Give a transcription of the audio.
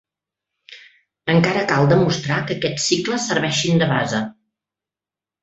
Encara cal demostrar que aquests cicles serveixin de base.